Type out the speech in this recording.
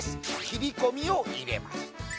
切り込みを入れます。